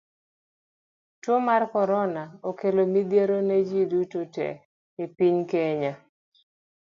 Tuo mar korona okelo midhiero ne ji duto te e piny Kenya.